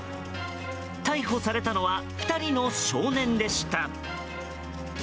逮捕されたのは２人の少年でした。